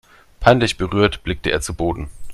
Peinlich berührt blickte er zu Boden.